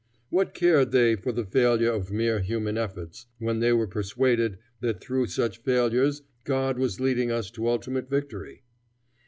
What cared they for the failure of mere human efforts, when they were persuaded that through such failures God was leading us to ultimate victory?